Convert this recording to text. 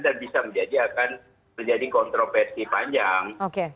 dan bisa menjadi kontroversi panjang